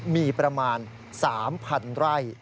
มีประมาณ๓๐๐๐ไร่